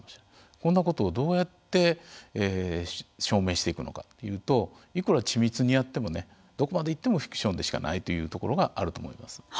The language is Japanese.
こんなことをどうやって証明していくのかというといくら緻密にやってもどこまで行ってもフィクションでしかないというところがあると思います。